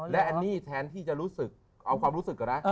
และอันนี้แทนที่จะรู้สึกเอาความรู้สึกก่อนนะ